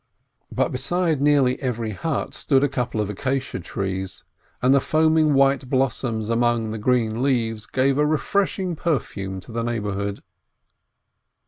But beside nearly every hut stood a couple of acacia trees, and the foam white blossoms among the young green leaves gave a refreshing perfume to the neighborhood.